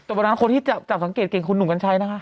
แต่คนที่จัดสังเกตเก่งคุณหนุ่มกันใช้นะคะ